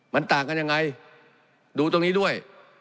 มันต่างกันยังไงดูตรงนี้ด้วย